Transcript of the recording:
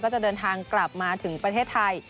จะเดินทางกลับมาถึงประเทศไทย